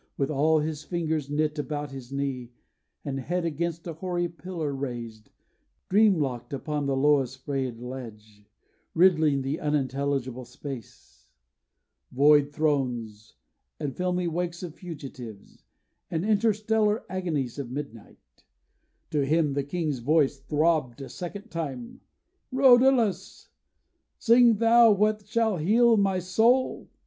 With all his fingers knit about his knee, And head against a hoary pillar raised, Dream locked, upon the lowest sprayey ledge, Riddling the unintelligible space, Void thrones, and filmy wakes of fugitives, And interstellar agonies of midnight; To him the king's voice throbbed a second time: 'Rhodalus! sing thou what shall heal my soul.